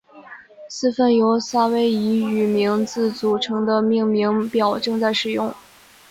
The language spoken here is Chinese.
四份由夏威夷语名字组成的命名表正在使用。